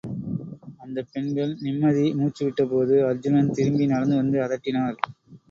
அந்தப் பெண்கள் நிம்மதி மூச்சு விட்டபோது, அர்ச்சுனன், திரும்பி நடந்து வந்து அதட்டினார்.